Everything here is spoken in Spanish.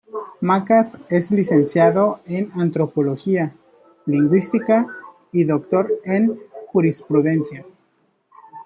Macas es licenciado en antropología, lingüística y doctor en jurisprudencia.